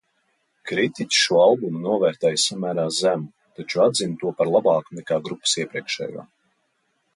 Kritiķi šo albumu novērtēja samērā zemu, taču atzina to par labāku nekā grupas iepriekšējo.